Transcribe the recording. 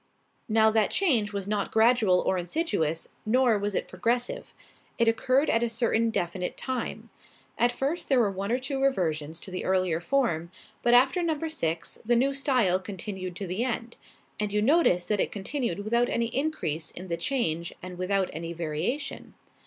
Now that change was not gradual or insidious nor was it progressive. It occurred at a certain definite time. At first there were one or two reversions to the earlier form, but after number six the new style continued to the end; and you notice that it continued without any increase in the change and without any variation.